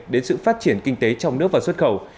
đến sự phát triển kinh tế trong nước và xuất khẩu